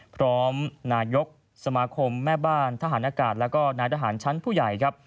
พร้อมนายกสมาคมแม่บ้านทหารอากาศแล้วก็นายทหารชั้นผู้ใหญ่ครับ